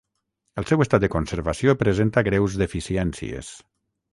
El seu estat de conservació presenta greus deficiències.